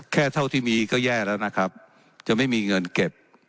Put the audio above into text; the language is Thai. เท่าที่มีก็แย่แล้วนะครับจะไม่มีเงินเก็บ